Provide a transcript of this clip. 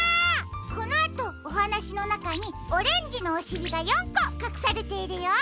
このあとおはなしのなかにオレンジのおしりが４こかくされているよ。